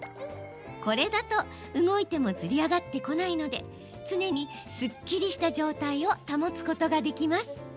これだと、動いてもずり上がってこないので常にすっきりした状態を保つことができます。